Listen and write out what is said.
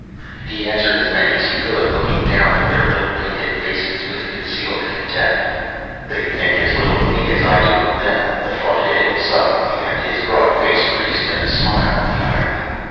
He answered as many as he could, looking down at their little painted faces with concealed contempt. They think as little of me as I do of them. The thought hit him suddenly and his broad face creased in a smile at the irony.